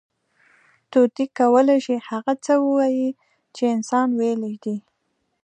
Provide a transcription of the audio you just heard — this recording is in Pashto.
طوطي کولی شي، هغه څه ووایي، چې انسان ویلي دي.